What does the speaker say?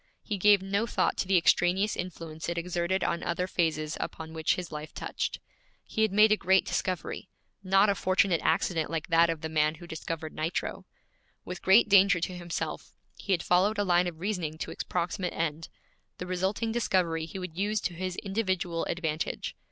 He gave no thought to the extraneous influence it exerted on other phases upon which his life touched. He had made a great discovery not a fortunate accident like that of the man who discovered nitro. With great danger to himself, he had followed a line of reasoning to its proximate end; the resulting discovery he would use to his individual advantage.